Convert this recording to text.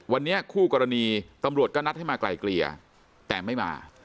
วันนี้คู่กรณีตำรวจก็นัดให้มาไกลเกลี่ยแต่ไม่มา